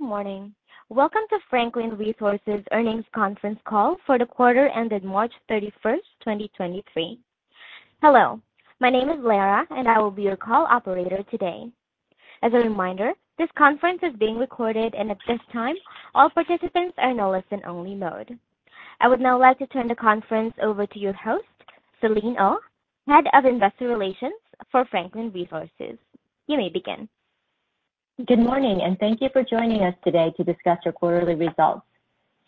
Good morning. Welcome to Franklin Resources Earnings Conference Call for the quarter ended March 31st, 2023. Hello, my name is Lara, and I will be your call operator today. As a reminder, this conference is being recorded, and at this time all participants are in listen only mode. I would now like to turn the conference over to your host, Selene Oh, Head of Investor Relations for Franklin Resources. You may begin. Good morning. Thank you for joining us today to discuss our quarterly results.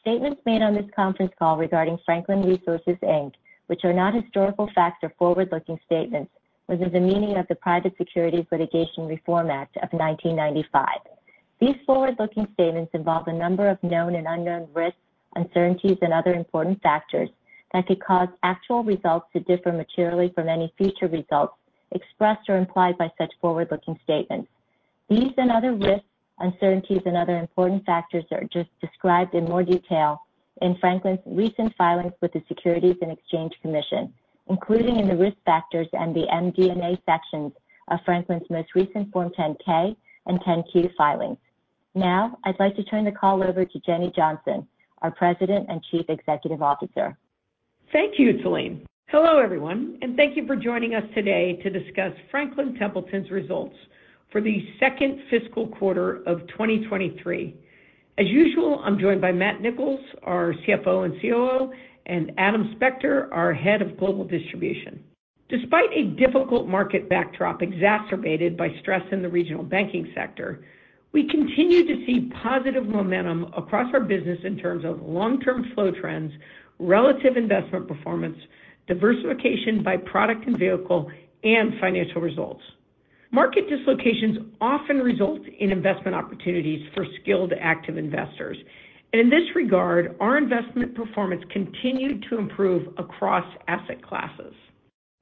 Statements made on this conference call regarding Franklin Resources, Inc., which are not historical facts or forward-looking statements within the meaning of the Private Securities Litigation Reform Act of 1995. These forward-looking statements involve a number of known and unknown risks, uncertainties and other important factors that could cause actual results to differ materially from any future results expressed or implied by such forward-looking statements. These other risks, uncertainties and other important factors are just described in more detail in Franklin's recent filings with the Securities and Exchange Commission, including in the Risk Factors and the MD&A sections of Franklin's most recent Form 10-K and 10-Q filings. I'd like to turn the call over to Jenny Johnson, our President and Chief Executive Officer. Thank you, Selene. Hello, everyone, and thank you for joining us today to discuss Franklin Templeton's results for the second fiscal quarter of 2023. As usual, I'm joined by Matthew Nicholls, our CFO and COO, and Adam Spector, our Head of Global Distribution. Despite a difficult market backdrop exacerbated by stress in the regional banking sector, we continue to see positive momentum across our business in terms of long-term flow trends, relative investment performance, diversification by product and vehicle and financial results. Market dislocations often result in investment opportunities for skilled active investors. In this regard, our investment performance continued to improve across asset classes.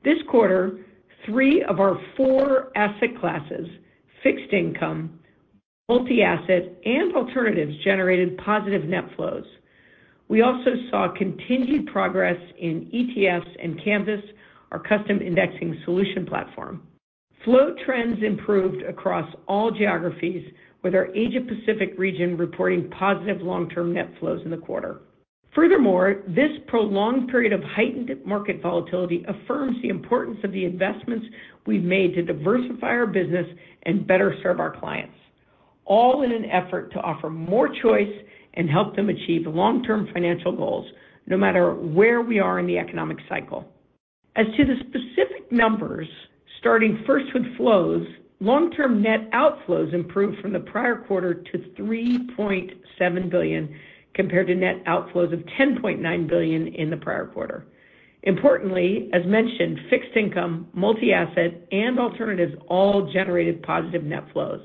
This quarter, three of our four asset classes, fixed income, multi-asset and alternatives, generated positive net flows. We also saw continued progress in ETFs and Canvas, our custom indexing solution platform. Flow trends improved across all geographies, with our Asia Pacific region reporting positive long-term net flows in the quarter. This prolonged period of heightened market volatility affirms the importance of the investments we've made to diversify our business and better serve our clients, all in an effort to offer more choice and help them achieve long-term financial goals, no matter where we are in the economic cycle. As to the specific numbers, starting first with flows. Long-term net outflows improved from the prior quarter to $3.7 billion, compared to net outflows of $10.9 billion in the prior quarter. Importantly, as mentioned, fixed income, multi-asset and alternatives all generated positive net flows.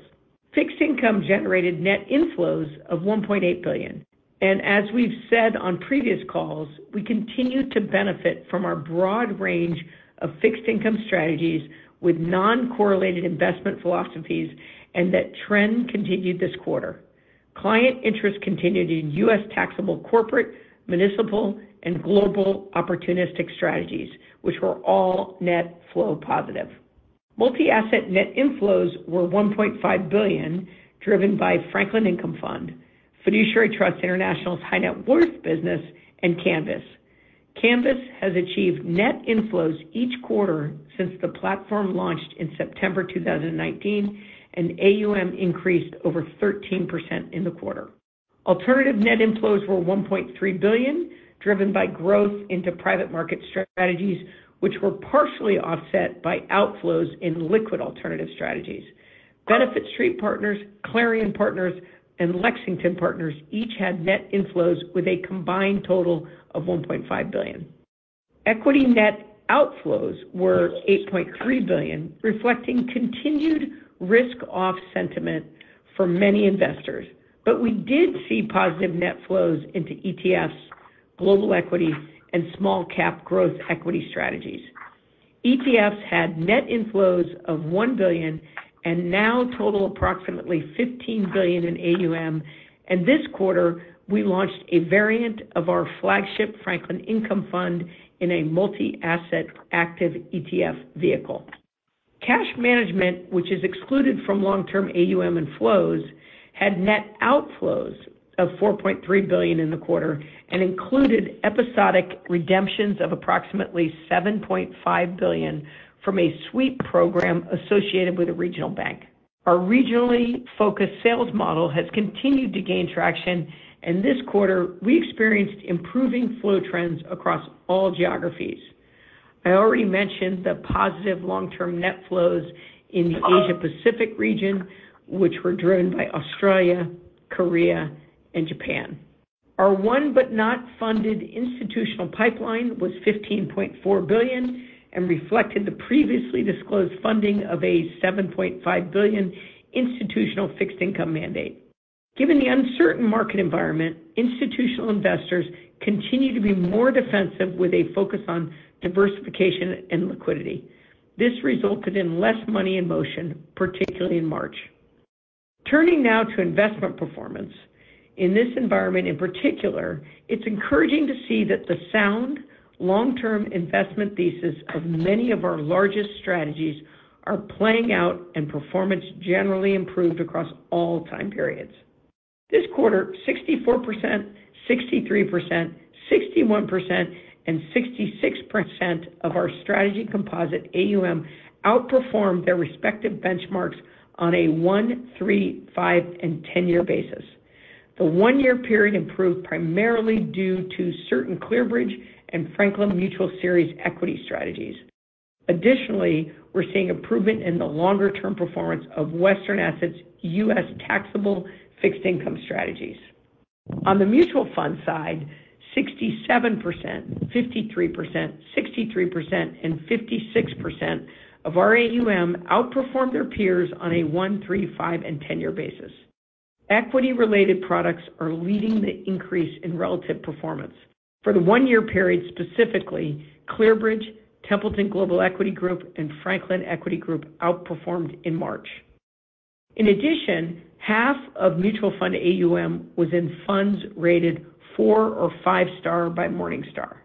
Fixed income generated net inflows of $1.8 billion. As we've said on previous calls, we continue to benefit from our broad range of fixed income strategies with non-correlated investment philosophies and that trend continued this quarter. Client interest continued in U.S. taxable corporate, municipal and global opportunistic strategies, which were all net flow positive. Multi-asset net inflows were $1.5 billion, driven by Franklin Income Fund, Fiduciary Trust International's high net worth business and Canvas. Canvas has achieved net inflows each quarter since the platform launched in September 2019, and AUM increased over 13% in the quarter. Alternative net inflows were $1.3 billion, driven by growth into private market strategies which were partially offset by outflows in liquid alternative strategies. Benefit Street Partners, Clarion Partners and Lexington Partners each had net inflows with a combined total of $1.5 billion. Equity net outflows were $8.3 billion, reflecting continued risk off sentiment for many investors. We did see positive net flows into ETFs, global equity and small cap growth equity strategies. ETFs had net inflows of $1 billion and now total approximately $15 billion in AUM. This quarter we launched a variant of our flagship Franklin Income Fund in a multi-asset active ETF vehicle. Cash management, which is excluded from long-term AUM and flows, had net outflows of $4.3 billion in the quarter and included episodic redemptions of approximately $7.5 billion from a sweep program associated with a regional bank. Our regionally focused sales model has continued to gain traction, and this quarter we experienced improving flow trends across all geographies. I already mentioned the positive long term net flows in the Asia-Pacific region, which were driven by Australia, Korea and Japan. Our won but not funded institutional pipeline was $15.4 billion and reflected the previously disclosed funding of a $7.5 billion institutional fixed income mandate. Given the uncertain market environment, institutional investors continue to be more defensive with a focus on diversification and liquidity. This resulted in less money in motion, particularly in March. Turning now to investment performance. In this environment, in particular, it's encouraging to see that the sound long-term investment thesis of many of our largest strategies are playing out and performance generally improved across all time periods. This quarter, 64%, 63%, 61%, and 66% of our strategy composite AUM outperformed their respective benchmarks on a one, three, five, and ten-year basis. The one-year period improved primarily due to certain ClearBridge and Franklin Mutual Series Equity strategies. We're seeing improvement in the longer-term performance of Western Asset, U.S. taxable fixed income strategies. On the mutual fund side, 67%, 53%, 63%, and 56% of our AUM outperformed their peers on a one, three, five, and 10-year basis. Equity-related products are leading the increase in relative performance. For the 1-year period, specifically, ClearBridge, Templeton Global Equity Group, and Franklin Equity Group outperformed in March. Half of mutual fund AUM was in funds rated four or five-star by Morningstar.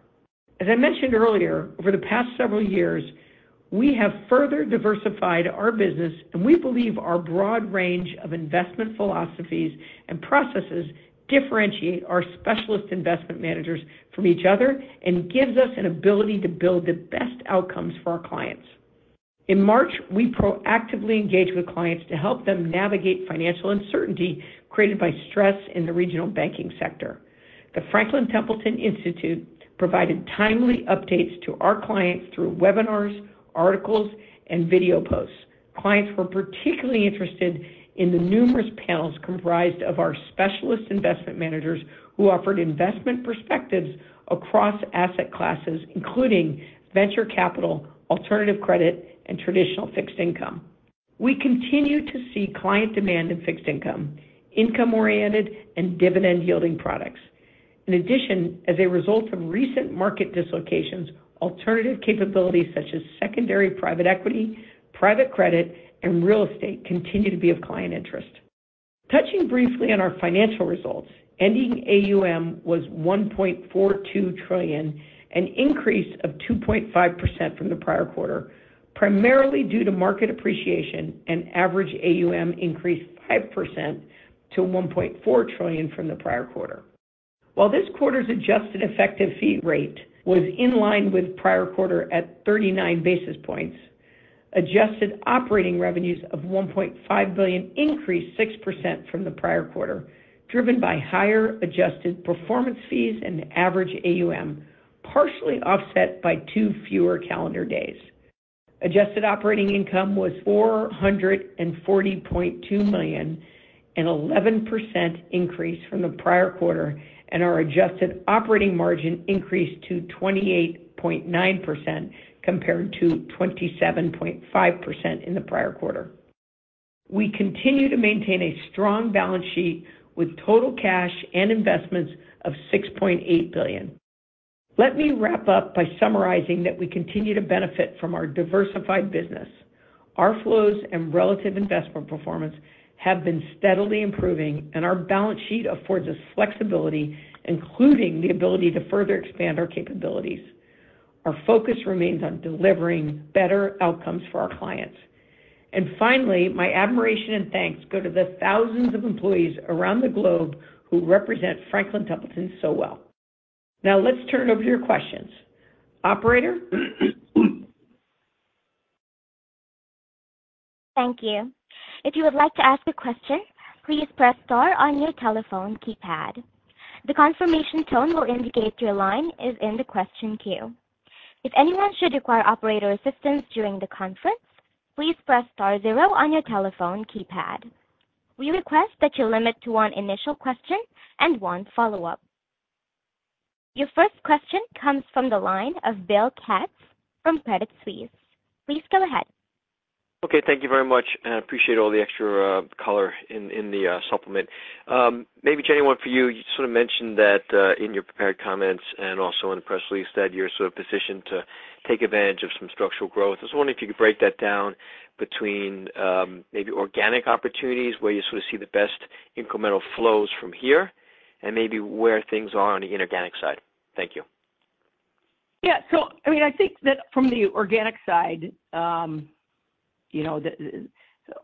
As I mentioned earlier, over the past several years, we have further diversified our business, and we believe our broad range of investment philosophies and processes differentiate our specialist investment managers from each other and gives us an ability to build the best outcomes for our clients. In March, we proactively engaged with clients to help them navigate financial uncertainty created by stress in the regional banking sector. The Franklin Templeton Institute provided timely updates to our clients through webinars, articles, and video posts. Clients were particularly interested in the numerous panels comprised of our specialist investment managers who offered investment perspectives across asset classes, including venture capital, alternative credit, and traditional fixed income. We continue to see client demand in fixed income-oriented and dividend-yielding products. In addition, as a result of recent market dislocations, alternative capabilities such as secondary private equity, private credit, and real estate continue to be of client interest. Touching briefly on our financial results, ending AUM was $1.42 trillion, an increase of 2.5% from the prior quarter, primarily due to market appreciation and average AUM increased 5% to $1.4 trillion from the prior quarter. While this quarter's adjusted effective fee rate was in line with prior quarter at 39 basis points, adjusted operating revenues of $1.5 billion increased 6% from the prior quarter, driven by higher adjusted performance fees and average AUM, partially offset by two fewer calendar days. Adjusted operating income was $440.2 million, an 11% increase from the prior quarter, and our adjusted operating margin increased to 28.9% compared to 27.5% in the prior quarter. We continue to maintain a strong balance sheet with total cash and investments of $6.8 billion. Let me wrap up by summarizing that we continue to benefit from our diversified business. Our flows and relative investment performance have been steadily improving, and our balance sheet affords us flexibility, including the ability to further expand our capabilities. Our focus remains on delivering better outcomes for our clients. Finally, my admiration and thanks go to the thousands of employees around the globe who represent Franklin Templeton so well. Let's turn over to your questions. Operator. Thank you. If you would like to ask a question, please press star on your telephone keypad. The confirmation tone will indicate your line is in the question queue. If anyone should require operator assistance during the conference, please press star zero on your telephone keypad. We request that you limit to one initial question and one follow-up. Your first question comes from the line of Bill Katz from Credit Suisse. Please go ahead. Thank you very much. I appreciate all the extra color in the supplement. Maybe, Jenny, one for you. You sort of mentioned that in your prepared comments and also in the press release that you're sort of positioned to take advantage of some structural growth. I was wondering if you could break that down between maybe organic opportunities where you sort of see the best incremental flows from here and maybe where things are on the inorganic side. Thank you. Yeah. I mean, I think that from the organic side, you know,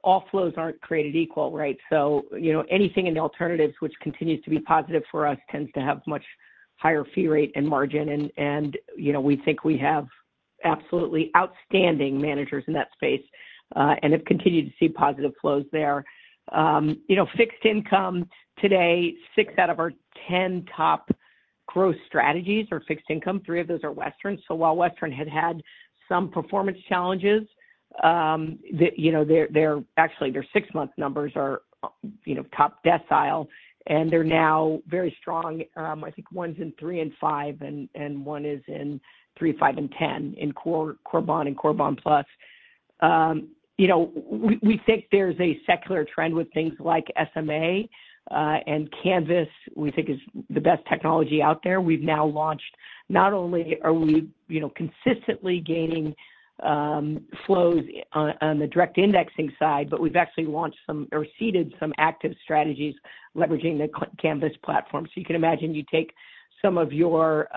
all flows aren't created equal, right? Anything in the alternatives which continues to be positive for us tends to have much higher fee rate and margin and, we think we have absolutely outstanding managers in that space and have continued to see positive flows there. Fixed income today six out of our 10 top growth strategies are fixed income. three of those are Western. While Western had some performance challenges, actually their six-month numbers are top decile, and they're now very strong. I think one's in three and five and one is in three, five, and 10 in Core Bond and Core Bond Plus. you know, we think there's a secular trend with things like SMA, and Canvas, we think is the best technology out there. Not only are we, you know, consistently gaining flows on the direct indexing side, but we've actually launched some or seeded some active strategies leveraging the Canvas platform. You can imagine you take some of your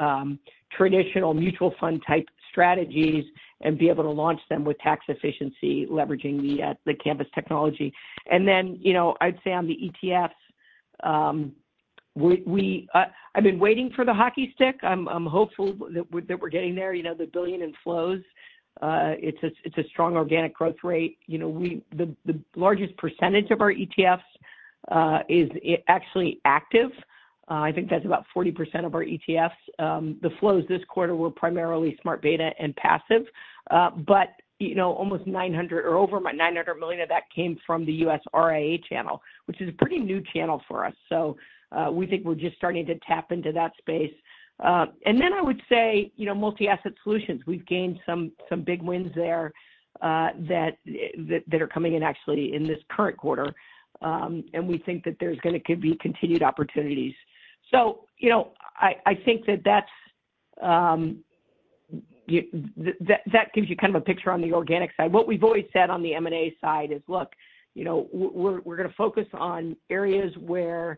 traditional mutual fund type strategies and be able to launch them with tax efficiency, leveraging the Canvas technology. you know, I'd say on the ETFs, I've been waiting for the hockey stick. I'm hopeful that we're getting there. You know, the $1 billion in flows, it's a strong organic growth rate. You know, The largest percentage of our ETFs is actually active. I think that's about 40% of our ETFs. The flows this quarter were primarily smart beta and passive. You know, almost $900 million or over $900 million of that came from the U.S. RIA channel, which is a pretty new channel for us. We think we're just starting to tap into that space. I would say, you know, multi-asset solutions. We've gained some big wins there, that are coming in actually in this current quarter. We think that there's gonna be continued opportunities. You know, I think that that's, that gives you kind of a picture on the organic side. What we've always said on the M&A side is, look, you know, we're gonna focus on areas where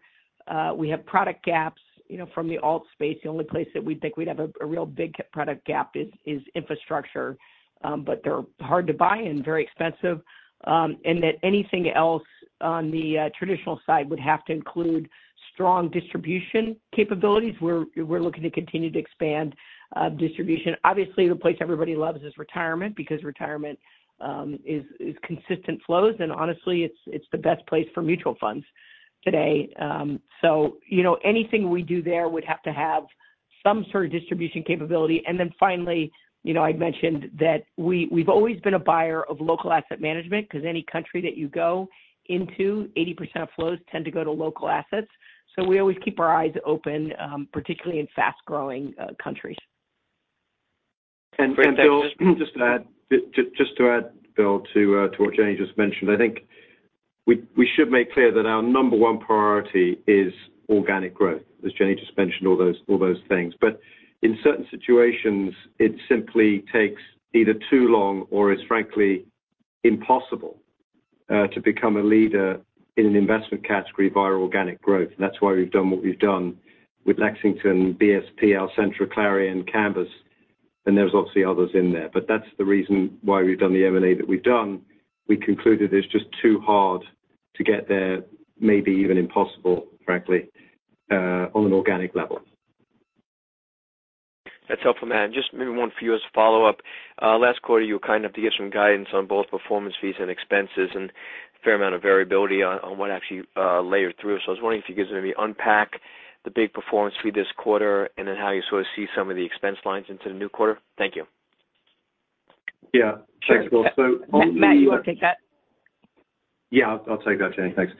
we have product gaps, you know, from the alt space. The only place that we think we'd have a real big product gap is infrastructure. They're hard to buy and very expensive. That anything else on the traditional side would have to include strong distribution capabilities. We're looking to continue to expand distribution. Obviously, the place everybody loves is retirement because retirement is consistent flows. Honestly, it's the best place for mutual funds today. You know, anything we do there would have to have some sort of distribution capability. Finally, you know, I'd mentioned that we've always been a buyer of local asset management because any country that you go into, 80% of flows tend to go to local assets. We always keep our eyes open, particularly in fast-growing countries. Bill, just to add Bill to what Jenny just mentioned. I think we should make clear that our number one priority is organic growth, as Jenny just mentioned, all those things. In certain situations, it simply takes either too long or is frankly impossible to become a leader in an investment category via organic growth. That's why we've done what we've done with Lexington, BSP, Alcentra, Clarion, Canvas, and there's obviously others in there. That's the reason why we've done the M&A that we've done. We concluded it's just too hard to get there, maybe even impossible, frankly, on an organic level. That's helpful, Matt. Just maybe one for you as a follow-up. Last quarter, you kind of gave some guidance on both performance fees and expenses and a fair amount of variability on what actually layered through. I was wondering if you could maybe unpack the big performance fee this quarter, and then how you sort of see some of the expense lines into the new quarter. Thank you. Yeah. Thanks, Bill. Matt, you want to take that? Yeah, I'll take that Jenny, thanks.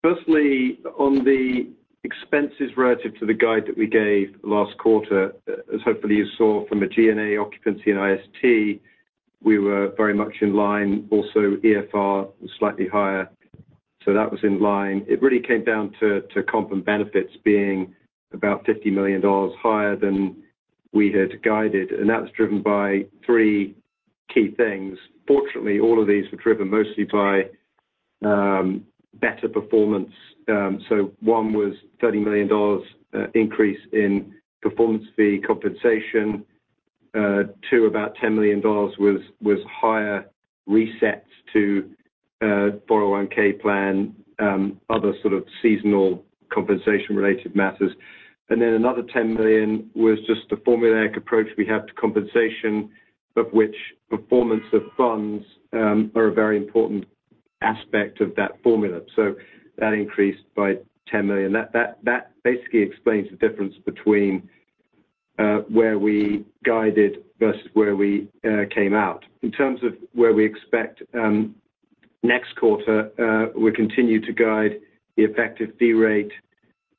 Firstly on the expenses relative to the guide that we gave last quarter, as hopefully you saw from a G&A occupancy in IS&T, we were very much in line, also EFR was slightly higher, so that was in line. It really came down to comp and benefits being about $50 million higher than we had guided. That was driven by three key things. Fortunately, all of these were driven mostly by better performance. One was $30 million increase in performance fee compensation. Two, about $10 million was higher resets to 401(k) plan, other sort of seasonal compensation related matters. Another $10 million was just the formulaic approach we have to compensation, of which performance of funds are a very important aspect of that formula. That increased by $10 million. That basically explains the difference between where we guided versus where we came out. In terms of where we expect next quarter, we continue to guide the effective fee rate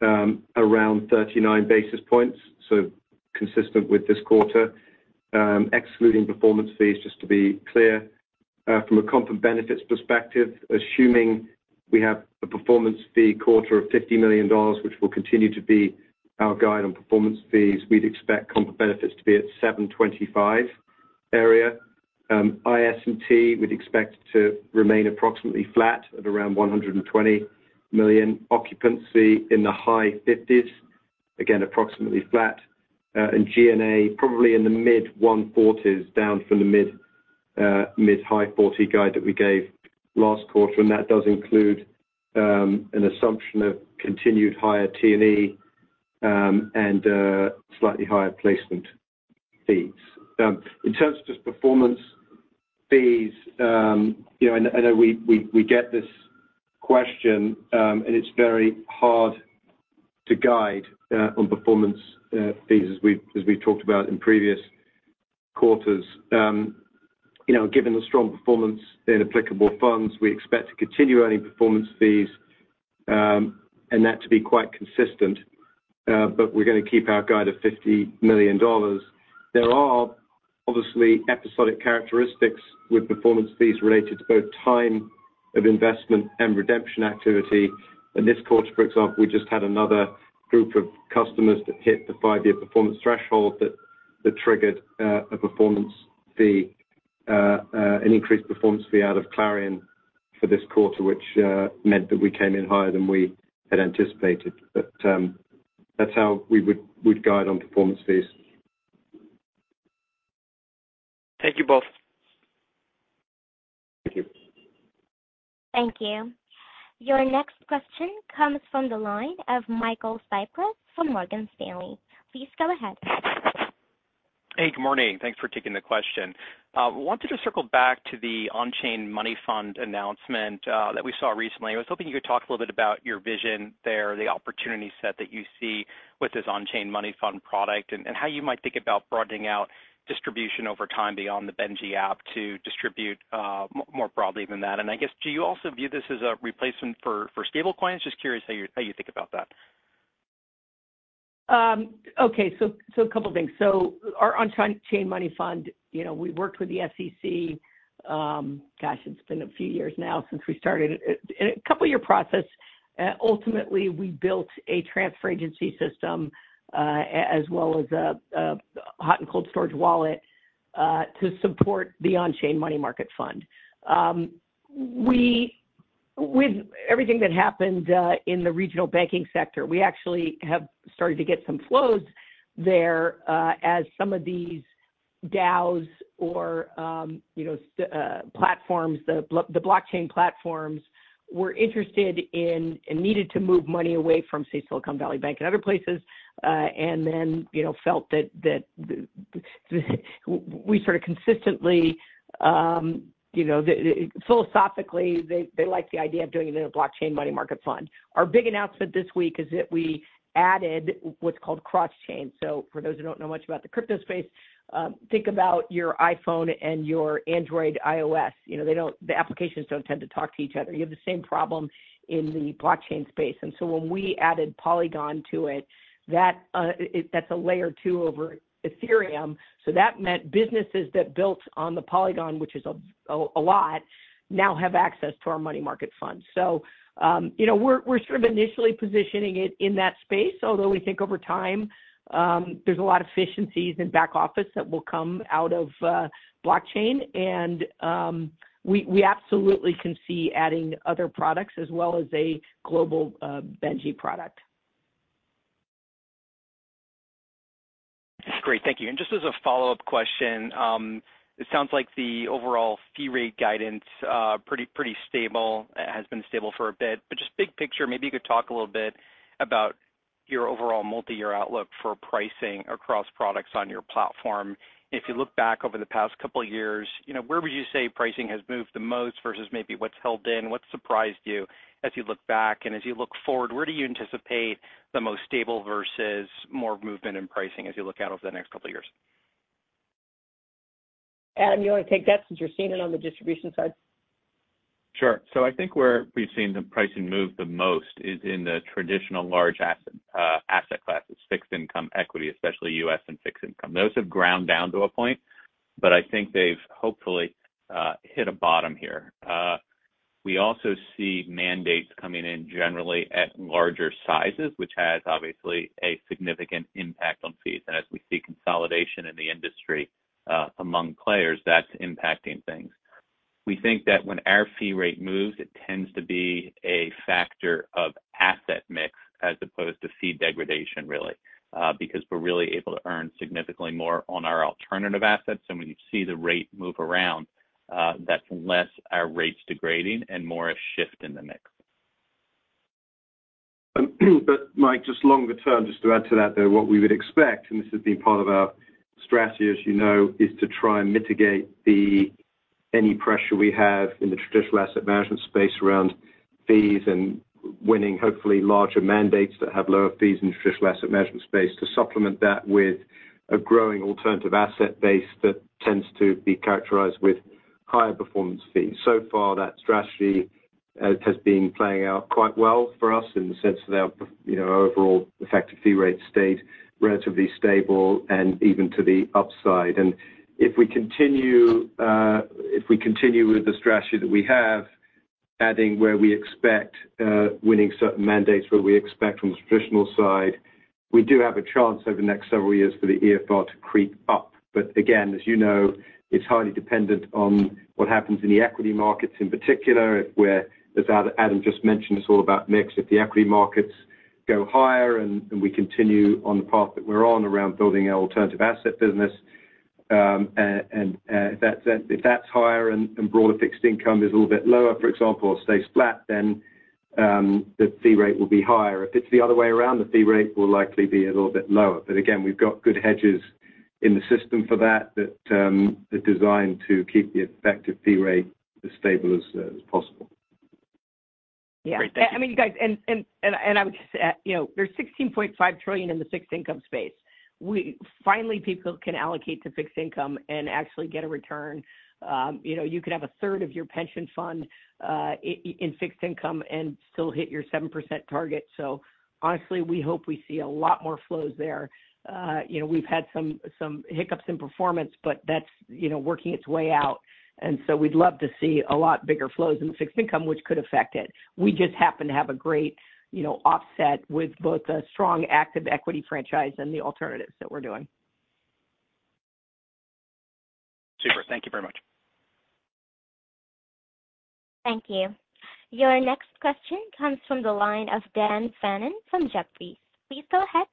around 39 basis points, so consistent with this quarter, excluding performance fees, just to be clear. From a comp and benefits perspective, assuming we have a performance fee quarter of $50 million, which will continue to be our guide on performance fees, we'd expect comp and benefits to be at $725 million area. IS&T, we'd expect to remain approximately flat at around $120 million. Occupancy in the high $50s, again, approximately flat. G&A, probably in the mid $140s, down from the mid-high $40 guide that we gave last quarter. That does include an assumption of continued higher T&E and slightly higher placement fees. In terms of just performance fees, you know, I know we get this question, and it's very hard to guide on performance fees as we've talked about in previous quarters. You know, given the strong performance in applicable funds, we expect to continue earning performance fees, and that to be quite consistent, but we're gonna keep our guide of $50 million. Obviously, episodic characteristics with performance fees related to both time of investment and redemption activity. In this quarter, for example, we just had another group of customers that hit the five-year performance threshold that triggered a performance fee, an increased performance fee out of Clarion for this quarter, which meant that we came in higher than we had anticipated. That's how we'd guide on performance fees. Thank you both. Thank you. Thank you. Your next question comes from the line of Michael Cyprys from Morgan Stanley. Please go ahead. Hey, good morning. Thanks for taking the question. Wanted to circle back to the OnChain Money Fund announcement that we saw recently. I was hoping you could talk a little about your vision there, the opportunity set that you see with this OnChain Money Fund product, and how you might think about broadening out distribution over time beyond the Benji app to distribute more broadly than that. I guess, do you also view this as a replacement for stable coins? Just curious how you think about that. Okay. Two things. Our On-Chain Money Fund, you know, we worked with the SEC, gosh, it's been a few years now since we started it. A two-year process, ultimately, we built a transfer agency system, as well as a hot and cold storage wallet, to support the On-Chain Money Market Fund. With everything that happened in the regional banking sector, we actually have started to get some flows there, as some of these DAOs or platforms, the blockchain platforms were interested in and needed to move money away from, say, Silicon Valley Bank and other places. Philosophically, they liked the idea of doing it in a blockchain money market fund. Our big announcement this week is that we added what's called cross-chain. For those who don't know much about the crypto space, think about your iPhone and your Android iOS. You know, the applications don't tend to talk to each other. You have the same problem in the blockchain space. When we added Polygon to it, that's a layer two over Ethereum, so that meant businesses that built on the Polygon, which is a lot, now have access to our money market fund. You know, we're sort of initially positioning it in that space, although we think over time, there's a lot of efficiencies in back office that will come out of blockchain, and, we absolutely can see adding other products as well as a global Benji product. Great. Thank you. Just as a follow-up question, it sounds like the overall fee rate guidance, pretty stable, has been stable for a bit, but just big picture, maybe you could talk a little bit about your overall multi-year outlook for pricing across products on your platform. If you look back over the past two years, you know, where would you say pricing has moved the most versus maybe what's held in? What surprised you as you look back? As you look forward, where do you anticipate the most stable versus more movement in pricing as you look out over the next two years? Adam, you wanna take that since you're seeing it on the distribution side? Sure. I think where we've seen the pricing move the most is in the traditional large asset classes, fixed income equity, especially U.S. and fixed income. Those have ground down to a point, but I think they've hopefully hit a bottom here. We also see mandates coming in generally at larger sizes, which has obviously a significant impact on fees. As we see consolidation in the industry, among players, that's impacting things. We think that when our fee rate moves, it tends to be a factor of asset mix as opposed to fee degradation, really, because we're really able to earn significantly more on our alternative assets. When you see the rate move around, that's less our rates degrading and more a shift in the mix. Mike, just longer term, just to add to that, though, what we would expect, and this has been part of our strategy, as you know, is to try and mitigate the any pressure we have in the traditional asset management space around fees and winning, hopefully, larger mandates that have lower fees in the traditional asset management space to supplement that with a growing alternative asset base that tends to be characterized with higher performance fees. So far, that strategy has been playing out quite well for us in the sense that our, you know, overall effective fee rate stayed relatively stable and even to the upside. If we continue with the strategy that we have, adding where we expect winning certain mandates where we expect from the traditional side, we do have a chance over the next several years for the EFR to creep up. Again, as you know, it's highly dependent on what happens in the equity markets in particular. As Adam just mentioned, it's all about mix. If the equity markets go higher and we continue on the path that we're on around building our alternative asset business, and if that's higher and broader fixed income is a little bit lower, for example, or stays flat, then the fee rate will be higher. If it's the other way around, the fee rate will likely be a little bit lower. Again, we've got good hedges in the system for that, are designed to keep the effective fee rate as stable as possible. Yeah. I mean, you guys, and I would just add, you know, there's 16.5 trillion in the fixed income space. Finally, people can allocate to fixed income and actually get a return. You know, you could have a third of your pension fund in fixed income and still hit your 7% target. Honestly, we hope we see a lot more flows there. You know, we've had some hiccups in performance, but that's, you know, working its way out. We'd love to see a lot bigger flows in fixed income, which could affect it. We just happen to have a great, you know, offset with both a strong active equity franchise and the alternatives that we're doing. Super. Thank you very much. Thank you. Your next question comes from the line of Dan Fannon from Jefferies. Please go ahead.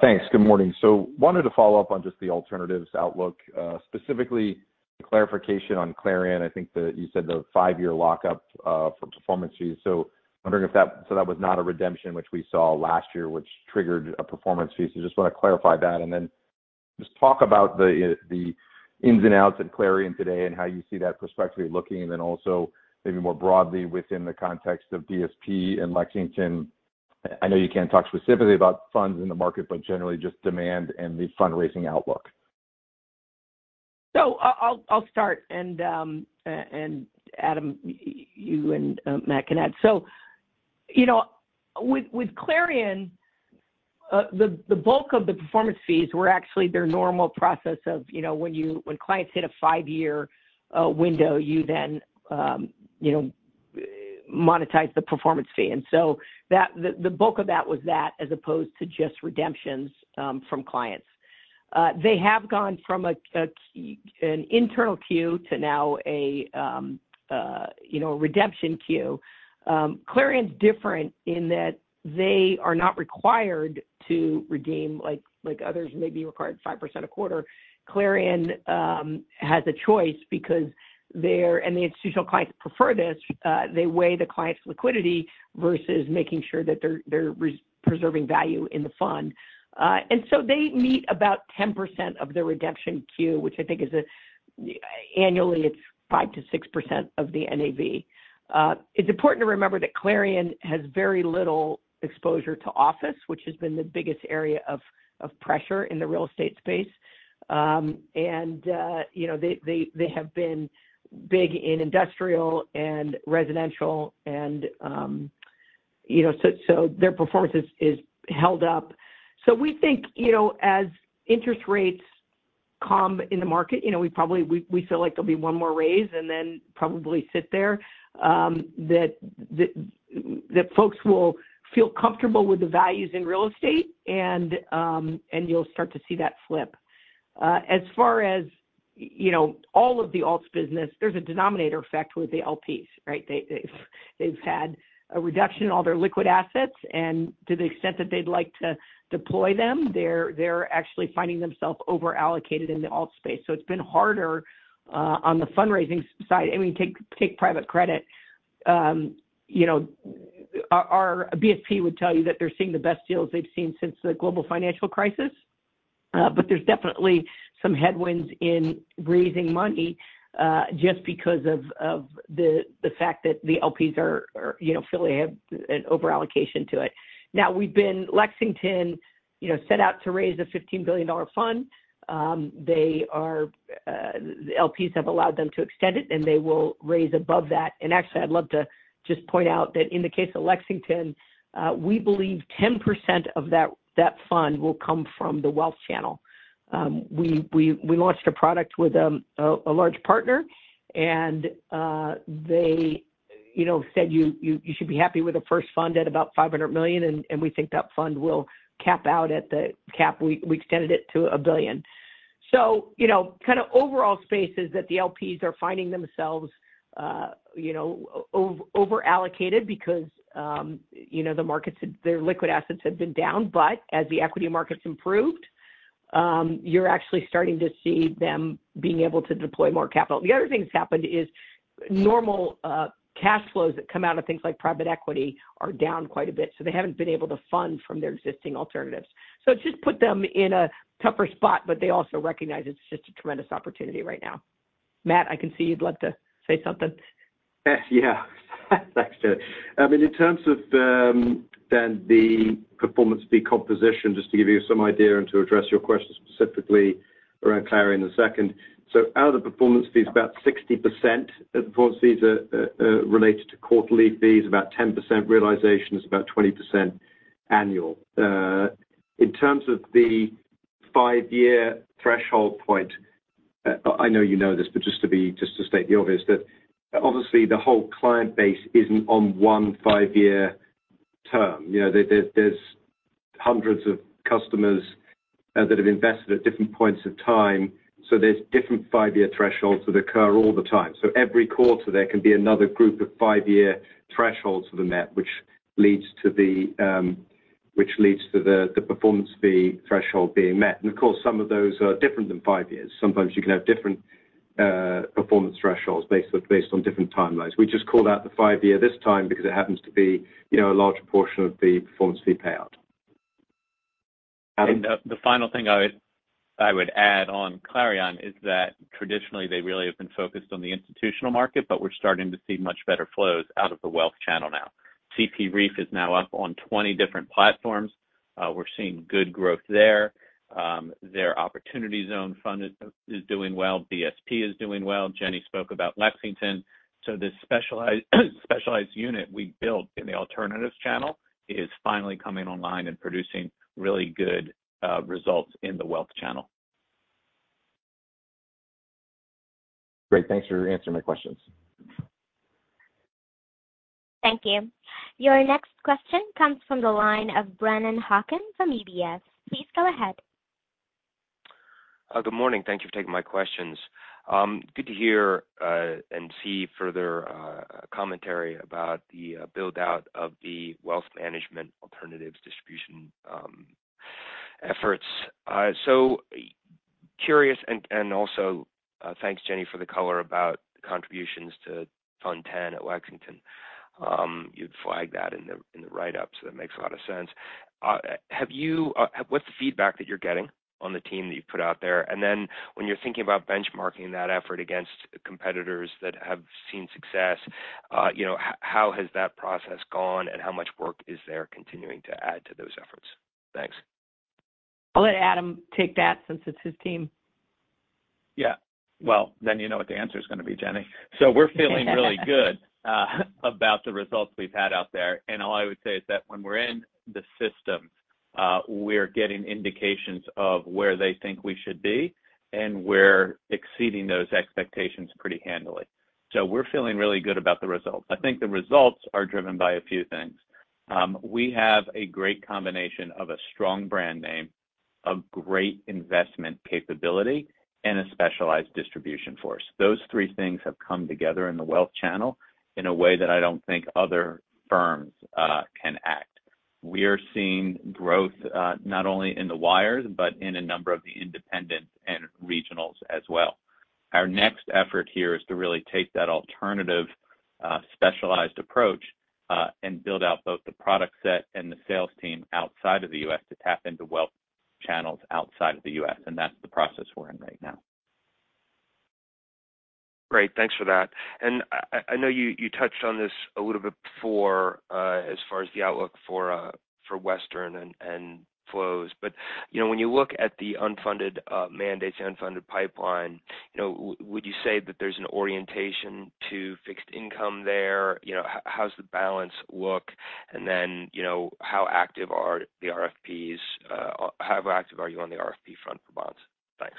Thanks. Good morning. Wanted to follow up on just the alternatives outlook, specifically clarification on Clarion. I think you said the five-year lockup for performance fees. Wondering if that was not a redemption which we saw last year, which triggered a performance fee. Just wanna clarify that, then just talk about the ins and outs at Clarion today and how you see that prospectively looking. Then also maybe more broadly within the context of BSP and Lexington. I know you can't talk specifically about funds in the market, but generally just demand and the fundraising outlook. I'll start and Adam, you and Matt can add. You know, with Clarion, the bulk of the performance fees were actually their normal process of, you know, when clients hit a five-year window, you then, you know, monetize the performance fee. The bulk of that was that as opposed to just redemptions from clients. They have gone from an internal queue to now a, you know, a redemption queue. Clarion's different in that they are not required to redeem like others may be required 5% a quarter. Clarion has a choice because and the institutional clients prefer this. They weigh the client's liquidity versus making sure that they're preserving value in the fund. They meet about 10% of the redemption queue, which I think is annually it's 5%-6% of the NAV. It's important to remember that Clarion has very little exposure to office, which has been the biggest area of pressure in the real estate space. You know, they have been big in industrial and residential and, you know, so their performance is held up. We think, you know, as interest rates calm in the market, you know, we probably we feel like there'll be 1 more raise and then probably sit there, that folks will feel comfortable with the values in real estate and you'll start to see that flip. As far as, you know, all of the alts business, there's a denominator effect with the LPs, right? They've had a reduction in all their liquid assets, and to the extent that they'd like to deploy them, they're actually finding themselves over-allocated in the alt space. It's been harder on the fundraising side. I mean, take private credit, you know, our BSP would tell you that they're seeing the best deals they've seen since the global financial crisis. There's definitely some headwinds in raising money just because of the fact that the LPs are, you know, feel they have an over-allocation to it. Now, Lexington, you know, set out to raise a $15 billion fund. They are the LPs have allowed them to extend it, and they will raise above that. Actually, I'd love to just point out that in the case of Lexington, we believe 10% of that fund will come from the wealth channel. We launched a product with a large partner, and they, you know, said you should be happy with the first fund at about $500 million, and we think that fund will cap out at the cap. We extended it to $1 billion. You know, kinda overall space is that the LPs are finding themselves, you know, over-allocated because, you know, the markets had their liquid assets had been down. As the equity markets improved, you're actually starting to see them being able to deploy more capital. The other thing that's happened is normal, cash flows that come out of things like private equity are down quite a bit, so they haven't been able to fund from their existing alternatives. It's just put them in a tougher spot, but they also recognize it's just a tremendous opportunity right now. Matt, I can see you'd love to say something. Yeah. Thanks, Janet. I mean, in terms of, Dan, the performance fee composition, just to give you some idea and to address your question specifically around Clarion in a second. Out of the performance fees, about 60% of the performance fees are related to quarterly fees, about 10% realization, is about 20% annual. In terms of the five-year threshold point, I know you know this, but just to state the obvious, that obviously the whole client base isn't on one five-year term. You know, there's hundreds of customers that have invested at different points of time, so there's different five-year thresholds that occur all the time. Every quarter, there can be another group of five-year thresholds for the net, which leads to the performance fee threshold being met. Of course, some of those are different than five years. Sometimes you can have different performance thresholds based on different timelines. We just called out the five-year this time because it happens to be, you know, a large portion of the performance fee payout. The final thing I would add on Clarion is that traditionally they really have been focused on the institutional market, but we're starting to see much better flows out of the wealth channel now. CPREIF is now up on 20 different platforms. We're seeing good growth there. Their opportunity zone fund is doing well. BSP is doing well. Jenny spoke about Lexington. This specialized unit we built in the alternatives channel is finally coming online and producing really good results in the wealth channel. Great. Thanks for answering my questions. Thank you. Your next question comes from the line of Brennan Hawken from UBS. Please go ahead. Good morning. Thank you for taking my questions. Good to hear and see further commentary about the build-out of the wealth management alternatives distribution efforts. So curious and also, thanks Jenny for the color about contributions to ton ten at Lexington. You'd flag that in the, in the write-up, so that makes a lot of sense. What's the feedback that you're getting on the team that you've put out there? When you're thinking about benchmarking that effort against competitors that have seen success, you know, how has that process gone, and how much work is there continuing to add to those efforts? Thanks. I'll let Adam take that since it's his team. Yeah. Well, you know what the answer is going to be, Jenny. We're feeling really good about the results we've had out there. All I would say is that when we're in the system, we're getting indications of where they think we should be, and we're exceeding those expectations pretty handily. We're feeling really good about the results. I think the results are driven by a few things. We have a great combination of a strong brand name, a great investment capability, and a specialized distribution force. Those three things have come together in the wealth channel in a way that I don't think other firms can act. We are seeing growth, not only in the wires, but in a number of the independents and regionals as well. Our next effort here is to really take that alternative, specialized approach, and build out both the product set and the sales team outside of the U.S. to tap into wealth channels outside of the U.S. That's the process we're in right now. Great. Thanks for that. I know you touched on this a little bit before, as far as the outlook for Western and flows. You know, when you look at the unfunded mandates, the unfunded pipeline, you know, would you say that there's an orientation to fixed income there? You know, how's the balance look? Then, you know, how active are the RFPs? How active are you on the RFP front for bonds? Thanks.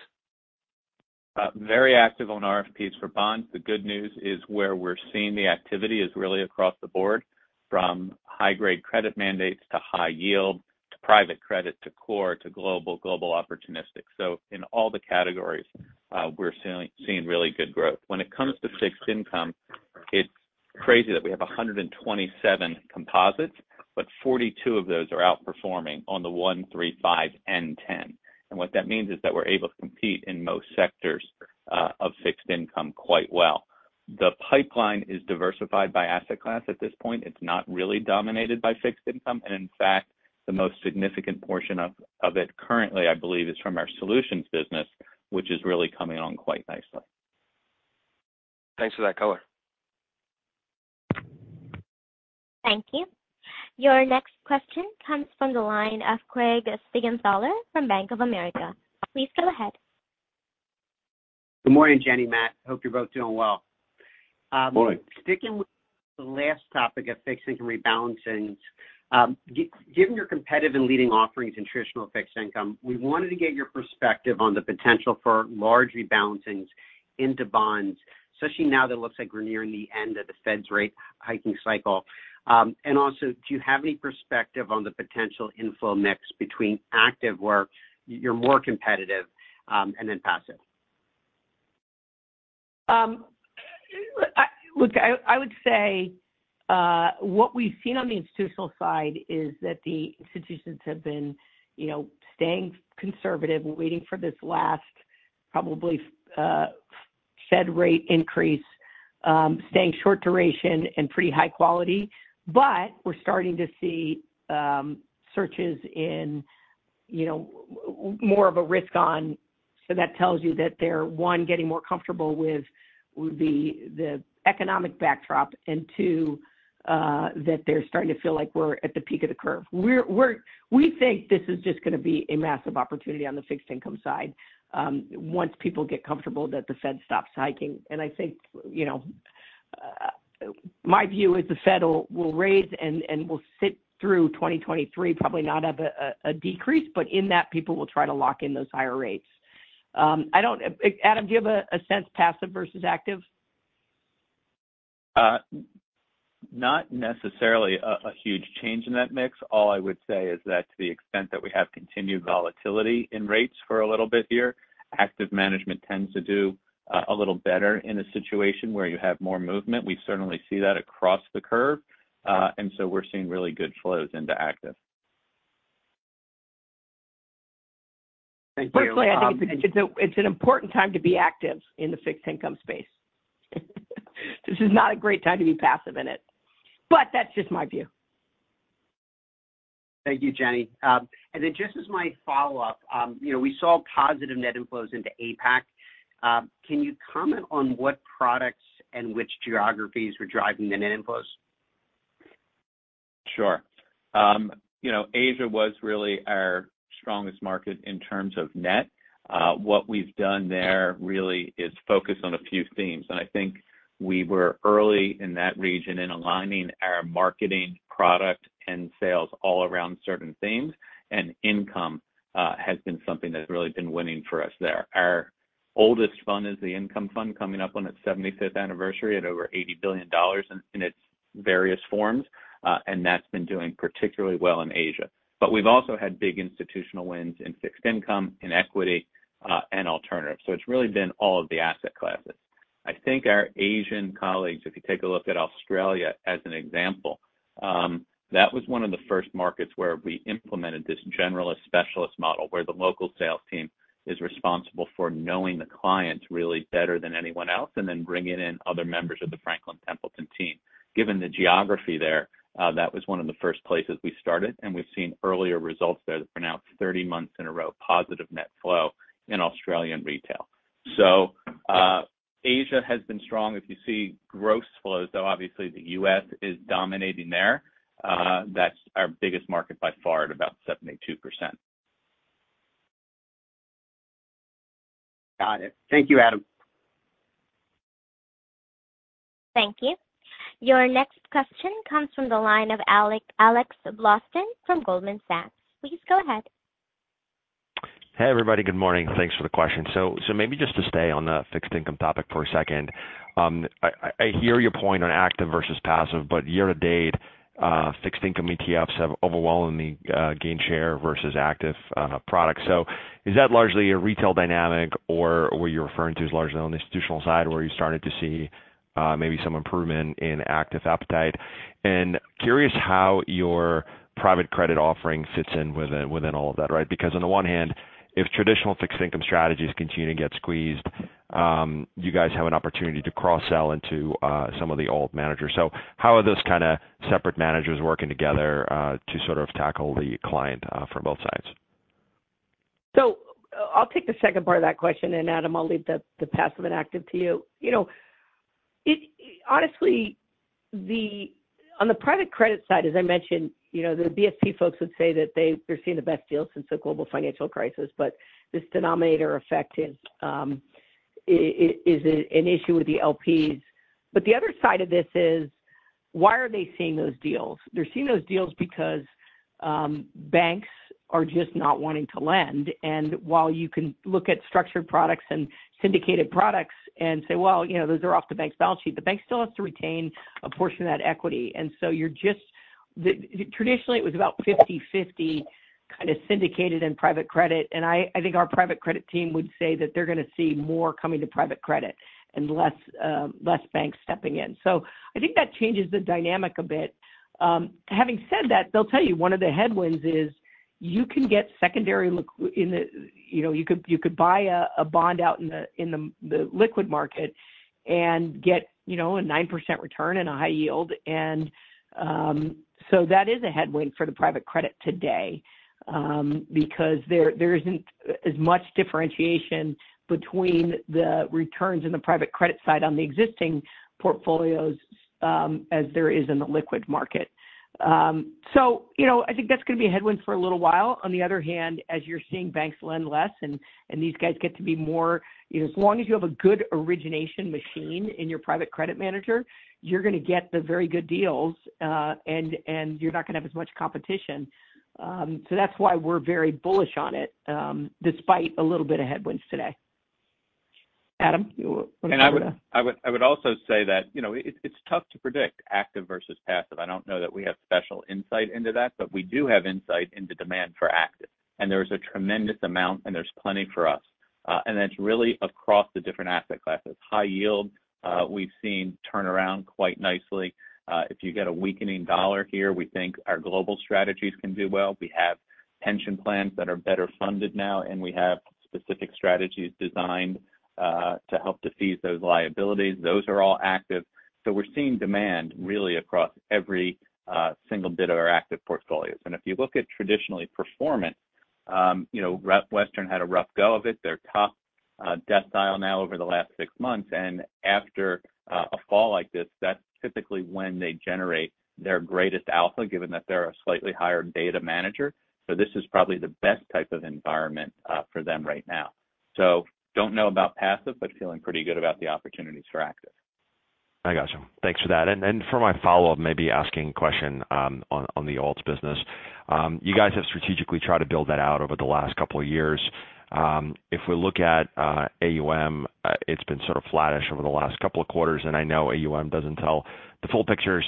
Very active on RFPs for bonds. The good news is where we're seeing the activity is really across the board from high grade credit mandates to high yield, to private credit, to core, to global opportunistic. In all the categories, we're seeing really good growth. When it comes to fixed income, it's crazy that we have 127 composites, but 42 of those are outperforming on the one, three, five and 10. What that means is that we're able to compete in most sectors of fixed income quite well. The pipeline is diversified by asset class at this point. It's not really dominated by fixed income, and in fact, the most significant portion of it currently, I believe, is from our solutions business, which is really coming on quite nicely. Thanks for that color. Thank you. Your next question comes from the line of Craig Siegenthaler from Bank of America. Please go ahead. Good morning, Jenny, Matt. Hope you're both doing well. Morning. Sticking with the last topic of fixed income rebalancings. Given your competitive and leading offerings in traditional fixed income, we wanted to get your perspective on the potential for large rebalancings into bonds, especially now that it looks like we're nearing the end of the Fed's rate hiking cycle. Also, do you have any perspective on the potential inflow mix between active, where you're more competitive, and then passive? Look, I would say, what we've seen on the institutional side is that the institutions have been, you know, staying conservative and waiting for this last probably Fed rate increase, staying short duration and pretty high quality. We're starting to see searches in, you know, more of a risk on. That tells you that they're, one, getting more comfortable with the economic backdrop, and two, that they're starting to feel like we're at the peak of the curve. We think this is just gonna be a massive opportunity on the fixed income side, once people get comfortable that the Fed stops hiking. I think, you know, my view is the Fed will raise and will sit through 2023, probably not have a decrease, in that, people will try to lock in those higher rates. Adam, do you have a sense passive versus active? Not necessarily a huge change in that mix. All I would say is that to the extent that we have continued volatility in rates for a little bit here, active management tends to do a little better in a situation where you have more movement. We certainly see that across the curve. We're seeing really good flows into active. Firstly, I think it's an important time to be active in the fixed income space. This is not a great time to be passive in it, that's just my view. Thank you, Jenny. Just as my follow-up, you know, we saw positive net inflows into APAC. Can you comment on what products and which geographies were driving the net inflows? Sure. You know, Asia was really our strongest market in terms of net. What we've done there really is focus on a few themes. I think we were early in that region in aligning our marketing product and sales all around certain themes, and income has been something that's really been winning for us there. Our oldest fund is the Franklin Income Fund coming up on its 75th anniversary at over $80 billion in its various forms. That's been doing particularly well in Asia. We've also had big institutional wins in fixed income, in equity, and alternatives. It's really been all of the asset classes. I think our Asian colleagues, if you take a look at Australia as an example, that was one of the first markets where we implemented this generalist specialist model, where the local sales team is responsible for knowing the clients really better than anyone else, and then bringing in other members of the Franklin Templeton team. Given the geography there, that was one of the first places we started, and we've seen earlier results there that are pronounced 30 months in a row, positive net flow in Australian retail. Asia has been strong. If you see gross flows, though, obviously the US is dominating there. That's our biggest market by far at about 72%. Got it. Thank you, Adam. Thank you. Your next question comes from the line of Alex Blostein from Goldman Sachs. Please go ahead. Hey, everybody. Good morning. Thanks for the question. Maybe just to stay on the fixed income topic for a second. I hear your point on active versus passive, year-to-date, fixed income ETFs have overwhelmingly gained share versus active products. Is that largely a retail dynamic or were you referring to as largely on the institutional side, where you're starting to see maybe some improvement in active appetite? Curious how your private credit offering fits in within all of that, right? On the one hand, if traditional fixed income strategies continue to get squeezed, you guys have an opportunity to cross-sell into some of the alt managers. How are those kind of separate managers working together to sort of tackle the client from both sides? I'll take the second part of that question. Adam, I'll leave the passive and active to you. You know, honestly, on the private credit side, as I mentioned, you know, the BSP folks would say that they're seeing the best deals since the global financial crisis. This denominator effect is an issue with the LPs. The other side of this is, why are they seeing those deals? They're seeing those deals because banks are just not wanting to lend. While you can look at structured products and syndicated products and say, "Well, you know, those are off the bank's balance sheet," the bank still has to retain a portion of that equity. You're just... Traditionally, it was about 50/50 kind of syndicated and private credit. I think our private credit team would say that they're going to see more coming to private credit and less banks stepping in. I think that changes the dynamic a bit. Having said that, they'll tell you one of the headwinds is you can get secondary You know, you could buy a bond out in the liquid market and get, you know, a 9% return and a high yield. That is a headwind for the private credit today because there isn't as much differentiation between the returns in the private credit side on the existing portfolios as there is in the liquid market. You know, I think that's going to be a headwind for a little while. On the other hand, as you're seeing banks lend less and these guys get to be more, you know, as long as you have a good origination machine in your private credit manager, you're going to get the very good deals, and you're not going to have as much competition. That's why we're very bullish on it, despite a little bit of headwinds today. Adam, I would also say that, you know, it's tough to predict active versus passive. I don't know that we have special insight into that, but we do have insight into demand for active. There's a tremendous amount, and there's plenty for us. That's really across the different asset classes. High yield, we've seen turn around quite nicely. If you get a weakening dollar here, we think our global strategies can do well. We have pension plans that are better funded now, and we have specific strategies designed to help decease those liabilities. Those are all active. We're seeing demand really across every single bit of our active portfolios. If you look at traditionally performant, you know, Western had a rough go of it. They're top decile now over the last six months. After a fall like this, that's typically when they generate their greatest alpha, given that they're a slightly higher data manager. This is probably the best type of environment for them right now. Don't know about passive, but feeling pretty good about the opportunities for active. I got you. Thanks for that. For my follow-up, maybe asking question on the alts business. You guys have strategically tried to build that out over the last couple of years. If we look at AUM, it's been sort of flattish over the last couple of quarters. I know AUM doesn't tell the full picture.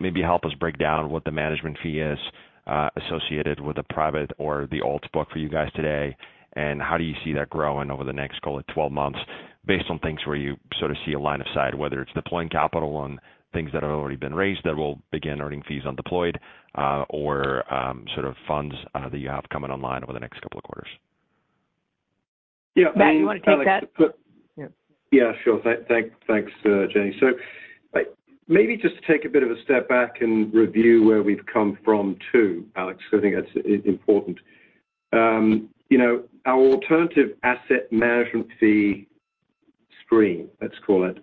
Maybe help us break down what the management fee is associated with the private or the alts book for you guys today. How do you see that growing over the next, call it, 12 months based on things where you sort of see a line of sight, whether it's deploying capital on things that have already been raised that will begin earning fees undeployed, or sort of funds that you have coming online over the next couple of quarters? Yeah. Matt, you want to take that? Yeah, sure. Thank, thanks, Jenny. Like maybe just take a bit of a step back and review where we've come from too, Alex, because I think that's important. You know, our alternative asset management fee stream, let's call it,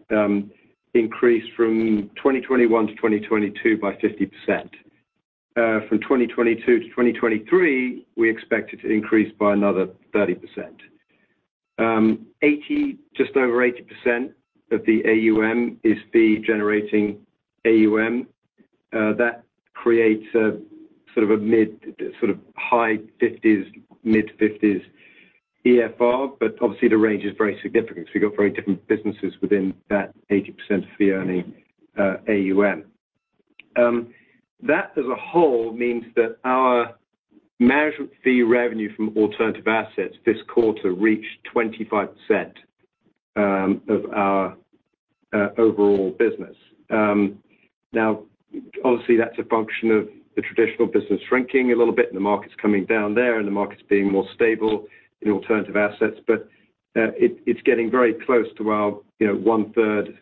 increased from 2021-2022 by 50%. From 2022-2023, we expect it to increase by another 30%. Just over 80% of the AUM is fee generating AUM. That creates a sort of a high 50s, mid-50s EFR, obviously the range is very significant. You've got very different businesses within that 80% fee-earning AUM. That as a whole means that our management fee revenue from alternative assets this quarter reached 25% of our overall business. Now obviously that's a function of the traditional business shrinking a little bit, and the market's coming down there and the market's being more stable in alternative assets. It's getting very close to our, you know, one-third,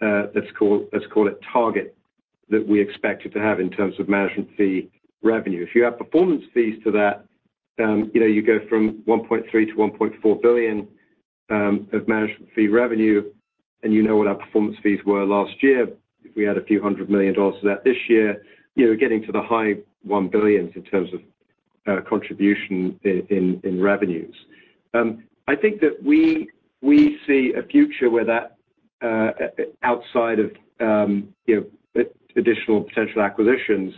let's call it target that we expect it to have in terms of management fee revenue. If you add performance fees to that, you know, you go from $1.3-$1.4 billion of management fee revenue, and you know what our performance fees were last year. If we add $few hundred million to that this year, you're getting to the high $1 billions in terms of contribution in revenues. I think that we see a future where that, outside of, you know, additional potential acquisitions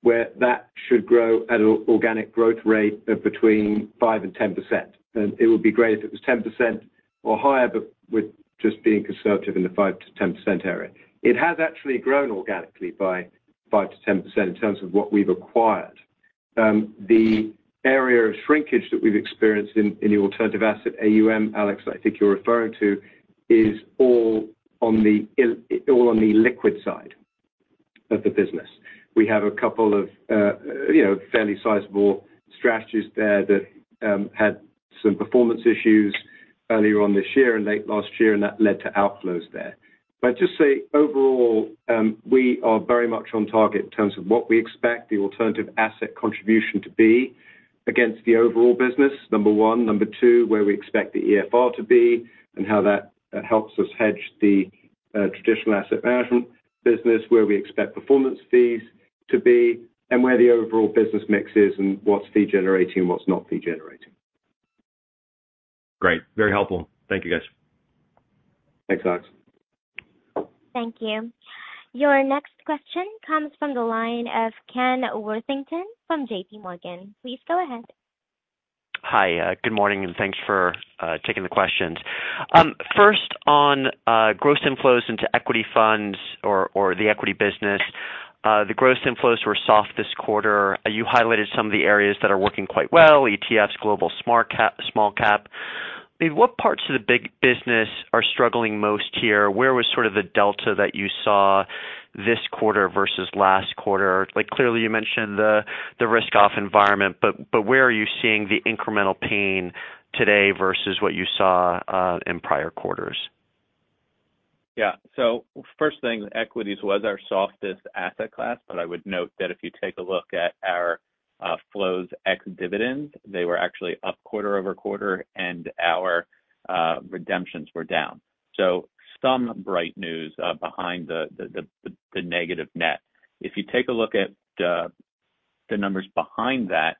where that should grow at an organic growth rate of between 5% and 10%. It would be great if it was 10% or higher, but we're just being conservative in the 5%-10% area. It has actually grown organically by 5%-10% in terms of what we've acquired. The area of shrinkage that we've experienced in the alternative asset AUM, Alex, I think you're referring to, is all on the liquid side of the business. We have a couple of, you know, fairly sizable strategies there that had some performance issues earlier on this year and late last year, and that led to outflows there. Just say overall, we are very much on target in terms of what we expect the alternative asset contribution to be against the overall business, one. two, where we expect the EFR to be and how that helps us hedge the traditional asset management business, where we expect performance fees to be, and where the overall business mix is and what's fee generating and what's not fee generating. Great. Very helpful. Thank you, guys. Thanks, Alex. Thank you. Your next question comes from the line of Ken Worthington from J.P. Morgan. Please go ahead. Hi, good morning, thanks for taking the questions. First on gross inflows into equity funds or the equity business. The gross inflows were soft this quarter. You highlighted some of the areas that are working quite well, ETFs, Global Smart Cap, Small Cap. I mean, what parts of the big business are struggling most here? Where was sort of the delta that you saw this quarter versus last quarter? Like, clearly you mentioned the risk off environment, but where are you seeing the incremental pain today versus what you saw in prior quarters? Yeah. First thing, equities was our softest asset class. I would note that if you take a look at our flows ex-dividends, they were actually up quarter-over-quarter, and our redemptions were down. Some bright news behind the negative net. If you take a look at the numbers behind that,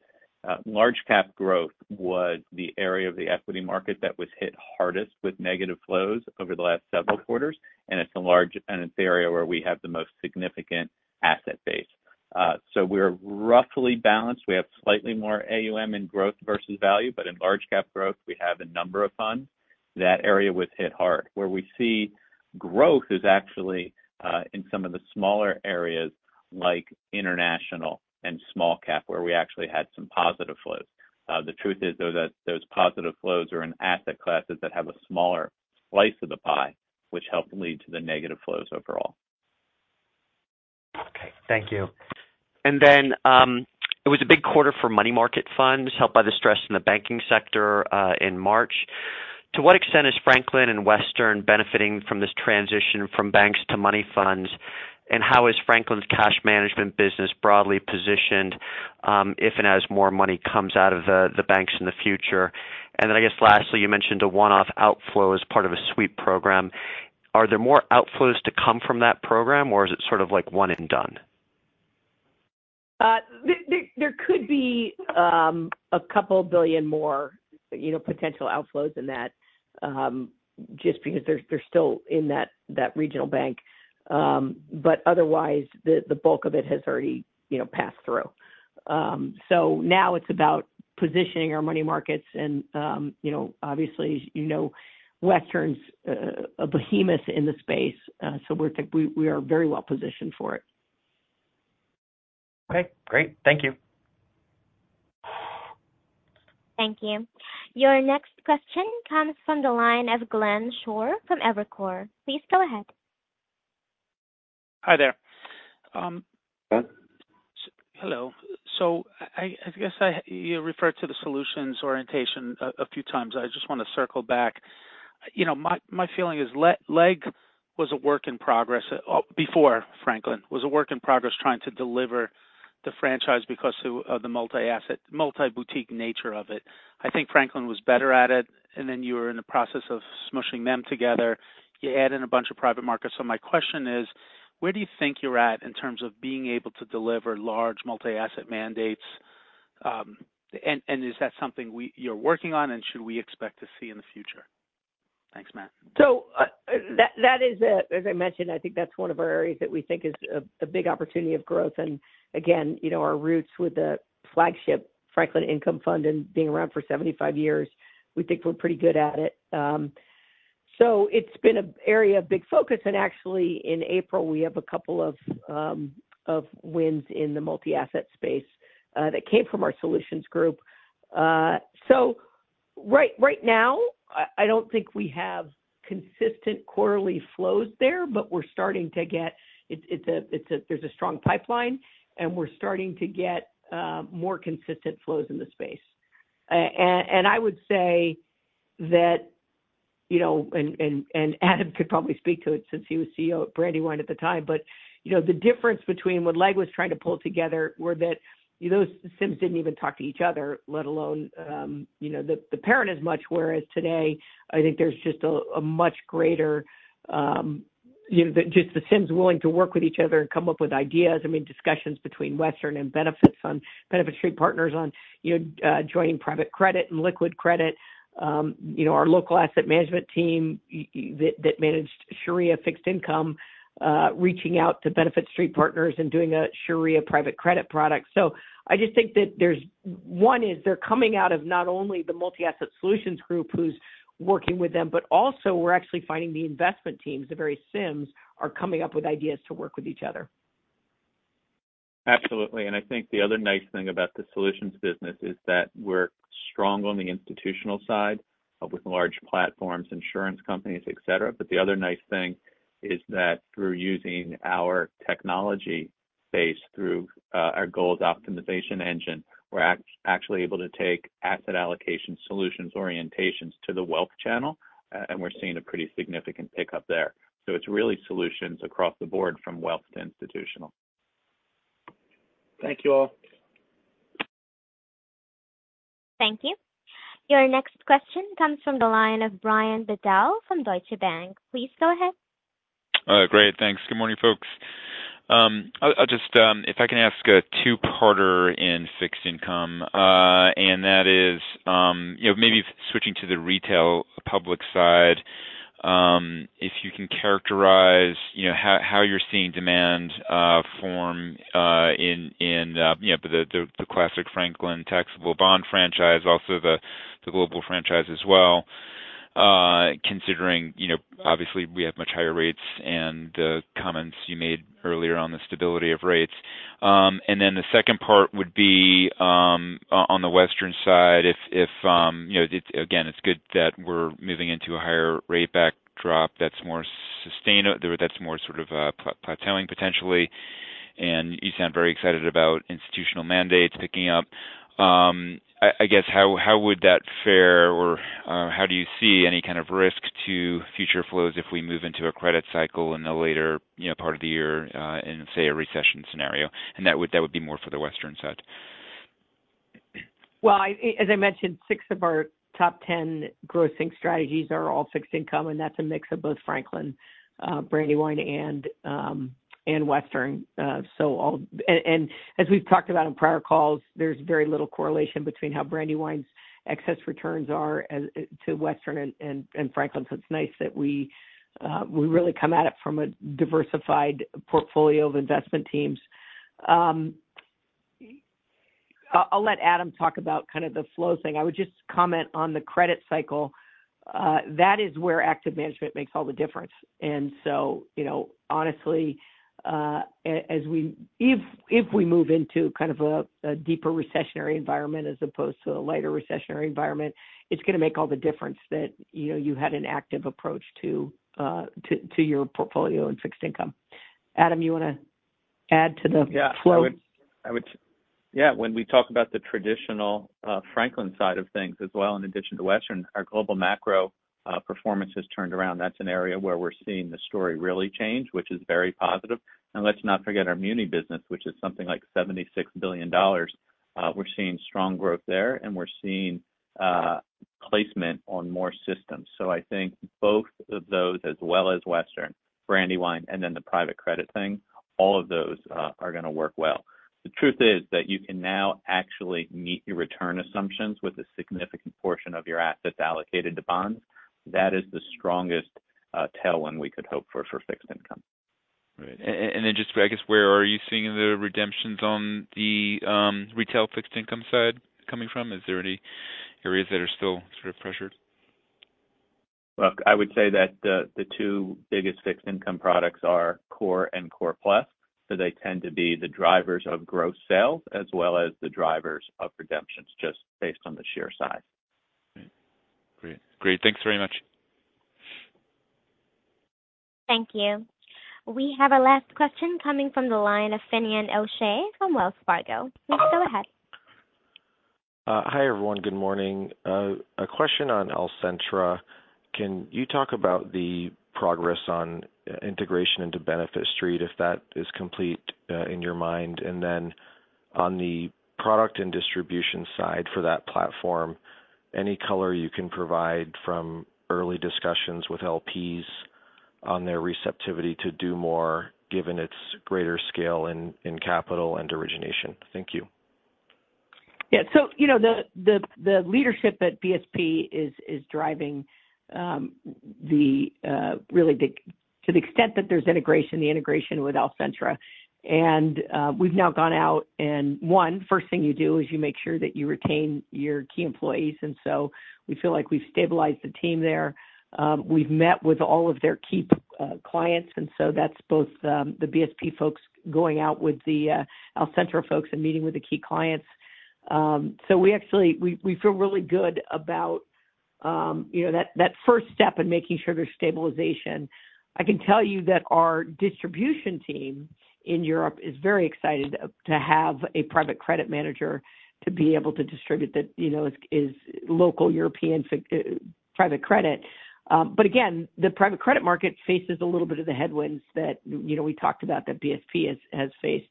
large-cap growth was the area of the equity market that was hit hardest with negative flows over the last several quarters. It's the area where we have the most significant asset base. We're roughly balanced. We have slightly more AUM in growth versus value, but in large-cap growth we have a number of funds. That area was hit hard. Where we see growth is actually, in some of the smaller areas like international and small cap, where we actually had some positive flows. The truth is, though, that those positive flows are in asset classes that have a smaller slice of the pie, which help lead to the negative flows overall. Okay. Thank you. It was a big quarter for money market funds helped by the stress in the banking sector in March. To what extent is Franklin and Western benefiting from this transition from banks to money funds? How is Franklin's cash management business broadly positioned if and as more money comes out of the banks in the future? I guess lastly, you mentioned a one-off outflow as part of a sweep program. Are there more outflows to come from that program or is it sort of like one and done? There could be $2 billion more, you know, potential outflows in that, just because they're still in that regional bank. Otherwise the bulk of it has already, you know, passed through. Now it's about positioning our money markets and, you know, obviously, you know, Western Asset's a behemoth in the space. We are very well positioned for it. Okay, great. Thank you. Thank you. Your next question comes from the line of Glenn Schorr from Evercore. Please go ahead. Hi there. Matt. Hello. I guess you referred to the solutions orientation a few times. I just want to circle back. You know, my feeling is Legg was a work in progress before Franklin, was a work in progress trying to deliver the franchise because of the multi-asset, multi-boutique nature of it. I think Franklin was better at it, you were in the process of smushing them together. You add in a bunch of private markets. My question is, where do you think you're at in terms of being able to deliver large multi-asset mandates? Is that something you're working on, and should we expect to see in the future? Thanks, Matt. That is, as I mentioned, I think that's one of our areas that we think is a big opportunity of growth, and again, you know, our roots with the flagship Franklin Income Fund and being around for 75 years, we think we're pretty good at it. It's been a area of big focus, and actually in April we have a couple of wins in the multi-asset space that came from our solutions group. Right now I don't think we have consistent quarterly flows there, but there's a strong pipeline, and we're starting to get more consistent flows in the space. I would say that, you know, and Adam could probably speak to it since he was CEO at Brandywine at the time. You know, the difference between what Legg was trying to pull together were that those SIMs didn't even talk to each other, let alone, you know, the parent as much. Whereas today, I think there's just a much greater, you know, just the SIMs willing to work with each other and come up with ideas. I mean, discussions between Western and Benefit Street Partners on, you know, joining private credit and liquid credit. You know, our local asset management team that managed Sharia fixed income, reaching out to Benefit Street Partners and doing a Sharia private credit product. I just think that there's... One is they're coming out of not only the multi-asset solutions group who's working with them, but also we're actually finding the investment teams, the very SIMs, are coming up with ideas to work with each other. Absolutely. I think the other nice thing about the solutions business is that we're strong on the institutional side, with large platforms, insurance companies, et cetera. The other nice thing is that through using our technology base through, our Goals Optimization Engine, we're actually able to take asset allocation solutions orientations to the wealth channel, we're seeing a pretty significant pickup there. It's really solutions across the board from wealth to institutional. Thank you all. Thank you. Your next question comes from the line of Brian Bedell from Deutsche Bank. Please go ahead. Great, thanks. Good morning, folks. I'll just if I can ask a two-parter in fixed income. You know, maybe switching to the retail public side, if you can characterize, you know, how you're seeing demand form in, you know, the classic Franklin taxable bond franchise, also the global franchise as well, considering, you know, obviously we have much higher rates and the comments you made earlier on the stability of rates. The second part would be on the Western side, if, you know, it's, again, it's good that we're moving into a higher rate backdrop that's more sort of plateauing potentially, and you sound very excited about institutional mandates picking up. I guess how would that fare or, how do you see any kind of risk to future flows if we move into a credit cycle in the later, you know, part of the year, in, say, a recession scenario? That would be more for the Western side. Well, I, as I mentioned, six of our top 10 grossing strategies are all fixed income, and that's a mix of both Franklin, Brandywine and Western. As we've talked about in prior calls, there's very little correlation between how Brandywine's excess returns are as to Western and Franklin. It's nice that we really come at it from a diversified portfolio of investment teams. I'll let Adam talk about kind of the flow thing. I would just comment on the credit cycle. That is where active management makes all the difference. you know, honestly, as we... If we move into kind of a deeper recessionary environment as opposed to a lighter recessionary environment, it's gonna make all the difference that, you know, you had an active approach to your portfolio in fixed income. Adam, you wanna add to the flow? Yeah. When we talk about the traditional Franklin side of things as well, in addition to Western, our global macro performance has turned around. That's an area where we're seeing the story really change, which is very positive. Let's not forget our muni business, which is something like $76 billion. We're seeing strong growth there, and we're seeing placement on more systems. I think both of those as well as Western, Brandywine, and then the private credit thing, all of those are gonna work well. The truth is that you can now actually meet your return assumptions with a significant portion of your assets allocated to bonds. That is the strongest tell we could hope for fixed income. Right. Then just, I guess, where are you seeing the redemptions on the retail fixed income side coming from? Is there any areas that are still sort of pressured? Look, I would say that the two biggest fixed income products are Core and Core Plus. They tend to be the drivers of gross sales as well as the drivers of redemptions, just based on the sheer size. Right. Great. Great. Thanks very much. Thank you. We have a last question coming from the line of Finian O'Shea from Wells Fargo. Please go ahead. Hi, everyone. Good morning. A question on Alcentra. Can you talk about the progress on integration into Benefit Street, if that is complete in your mind? On the product and distribution side for that platform, any color you can provide from early discussions with LPs on their receptivity to do more given its greater scale in capital and origination. Thank you. Yeah. You know, the leadership at BSP is driving, really the, to the extent that there's integration, the integration with Alcentra. We've now gone out and won. First thing you do is you make sure that you retain your key employees. We feel like we've stabilized the team there. We've met with all of their key clients. That's both, the BSP folks going out with the Alcentra folks and meeting with the key clients. We actually. We feel really good about, you know, that first step in making sure there's stabilization. I can tell you that our distribution team in Europe is very excited to have a private credit manager to be able to distribute that, you know, is local European private credit. Again, the private credit market faces a little bit of the headwinds that, you know, we talked about that BSP has faced.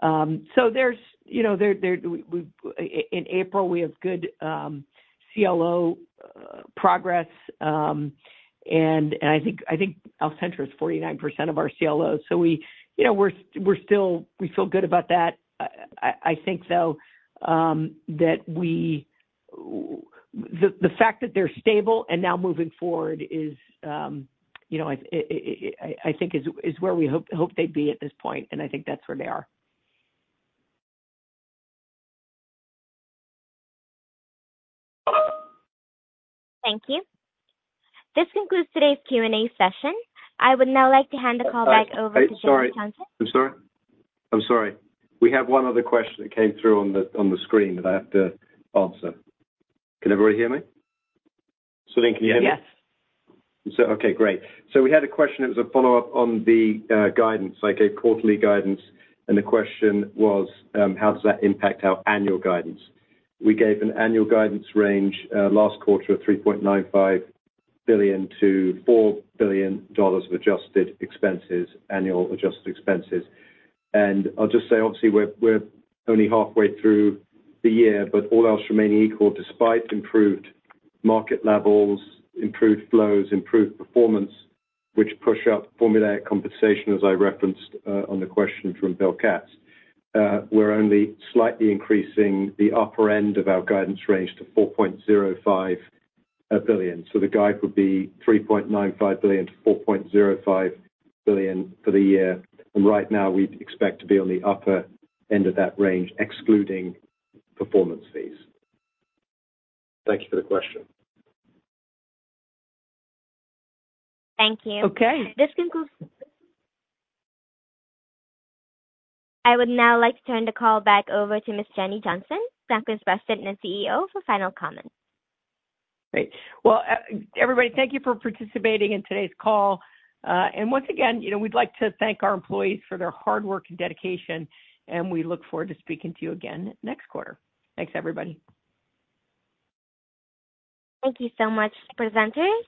There's, you know, in April, we have good CLO progress. I think Alcentra is 49% of our CLO. We, you know, feel good about that. I think, though, that the fact that they're stable and now moving forward is, you know, I think is where we hope they'd be at this point, and I think that's where they are. Thank you. This concludes today's Q&A session. I would now like to hand the call back over to Jenny Johnson. Sorry. We have one other question that came through on the screen that I have to answer. Can everybody hear me? Selene, can you hear me? Yes. Okay, great. We had a question that was a follow-up on the guidance. I gave quarterly guidance. The question was, how does that impact our annual guidance? We gave an annual guidance range last quarter of $3.95-$4 billion of adjusted expenses, annual adjusted expenses. I'll just say, obviously, we're only halfway through the year, but all else remaining equal, despite improved market levels, improved flows, improved performance, which push up formulaic compensation, as I referenced on the question from Bill Katz. We're only slightly increasing the upper end of our guidance range to $4.05 billion. The guide would be $3.95-$4.05 billion for the year. Right now we expect to be on the upper end of that range, excluding performance fees. Thank you for the question. Thank you. Okay. I would now like to turn the call back over to Ms. Jenny Johnson, Franklin's President and CEO, for final comments. Great. Well, everybody, thank you for participating in today's call. Once again, you know, we'd like to thank our employees for their hard work and dedication, and we look forward to speaking to you again next quarter. Thanks, everybody. Thank you so much, presenters.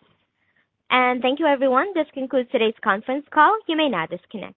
Thank you, everyone. This concludes today's conference call. You may now disconnect.